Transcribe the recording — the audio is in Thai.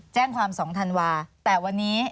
แจ้งความ๒ธันวาแต่วันนี้